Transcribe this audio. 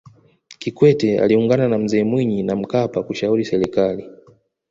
kikwete aliungana na mzee mwinyi na mkapa kushauri serikali